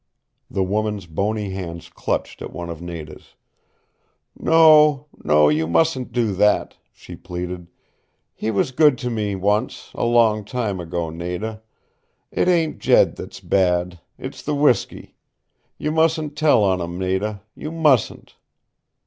The woman's bony hands clutched at one of Nada's. "No, no, you mustn't do that," she pleaded. "He was good to me once, a long time ago, Nada. It ain't Jed that's bad it's the whiskey. You mustn't tell on him, Nada you mustn't!"